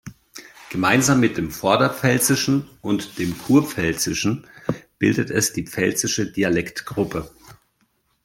Gemeinsam mit dem Vorderpfälzischen und dem Kurpfälzischen bildet es die pfälzische Dialektgruppe.